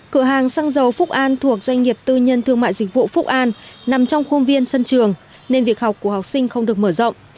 cửa hàng xăng dầu phúc an thuộc doanh nghiệp tư nhân thương mại dịch vụ phúc an nằm trong khuôn viên sân trường nên việc học của học sinh không được mở rộng